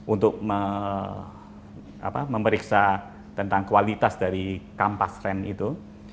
untuk memeriksa tentang kualitas dari kampas ren itu